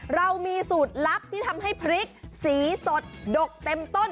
เรามีสูตรลับที่ทำให้พริกสีสดดกเต็มต้น